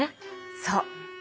そう。